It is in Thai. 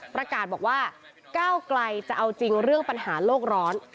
ประกาศบอกว่าก้าวไกลจะเอาจริงเรื่องปัญหาโลกร้อน